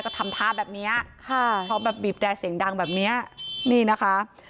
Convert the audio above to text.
และเขาแบบแบบบี๊บแดดเสียงดังแบบเนี้ยนี่นะคะ